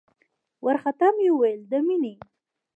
وارخطا مې وويل د مينې.